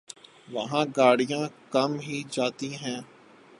وہاں گاڑیاں کم ہی جاتی ہیں ۔